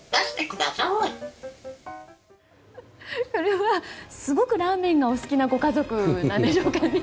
これはすごくラーメンがお好きなご家族なんでしょうかね。